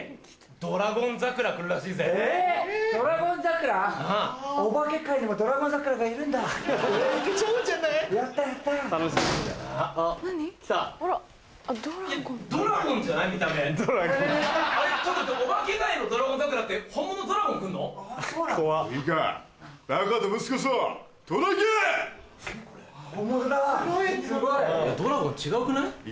ドラゴン違くない？